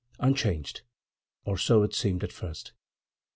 Unchanged—or so it seemed at first.